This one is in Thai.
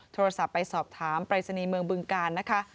โทรศัพท์ไปสอบถามปรายศนีย์เมืองบึงการนะคะ